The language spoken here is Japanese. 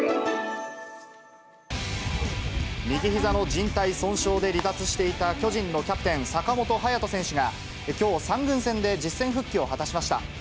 右ひざのじん帯損傷で離脱していた、巨人のキャプテン、坂本勇人選手が、きょう、３軍戦で実戦復帰を果たしました。